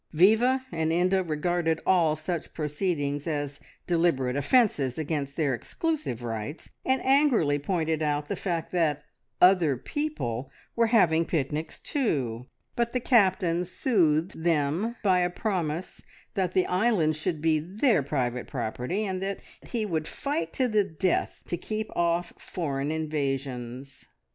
Viva and Inda regarded all such proceedings as deliberate offences against their exclusive rights, and angrily pointed out the fact that "other people" were having picnics too; but the Captain soothed them by a promise that the island should be their private property, and that he would fight to the death to keep off foreign invasions.